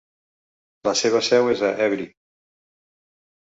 La seva seu és a Évry.